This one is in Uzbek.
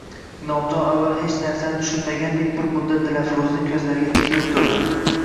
Inomjon avval hech narsani tushunmagandek bir muddat Dilafruzning ko`zlariga tikilib turdi